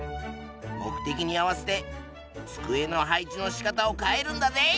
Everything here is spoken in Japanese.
目的に合わせて机の配置のしかたを変えるんだぜ！